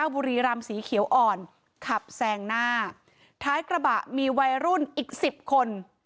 บุรีรำสีเขียวอ่อนขับแซงหน้าท้ายกระบะมีวัยรุ่นอีกสิบคน